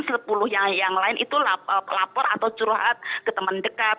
sepuluh yang lain itu lapor atau curhat ke teman dekat